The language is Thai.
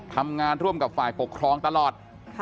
ทำงานร่วมกับฝ่ายปกครองตลอด